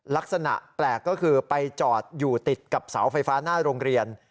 ลักษณะแปลกก็คือไปจอดอยู่ติดกับเสาไฟฟ้าหน้าโรงเรียน